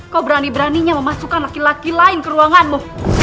kau berani beraninya memasukkan laki laki lain ke ruanganmu